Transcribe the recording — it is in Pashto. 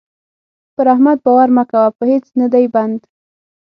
پر احمد باور مه کوه؛ په هيڅ نه دی بند.